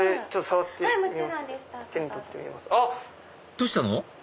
どうしたの？